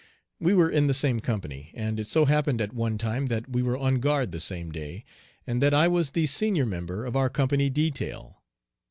We were in the same company, and it so happened at one time that we were on guard the same day, and that I was the senior member of our company detail.